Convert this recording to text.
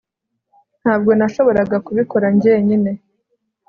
Ntabwo nashoboraga kubikora njyenyine